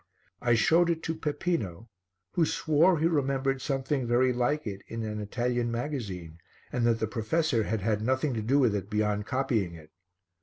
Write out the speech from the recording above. I showed it to Peppino who swore he remembered something very like it in an Italian magazine and that the professor had had nothing to do with it beyond copying it.